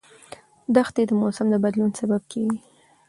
دښتې د موسم د بدلون سبب کېږي.